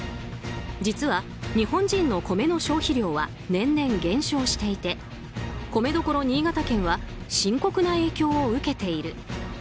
実は、日本人の米の消費量は年々減少していて米どころ新潟県は深刻な影響を受けている。